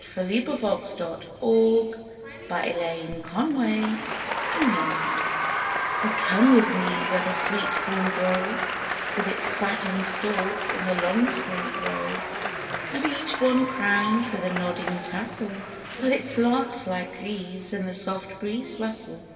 LIFE WAVES 31 WHEN THE CORN IS IN THE MILK 0 come with me where the sweet corn grows With its satin stalk in the long straight rows, And each one crowned with a nodding tassel, While its lance like leaves in the sofe breeze rustle.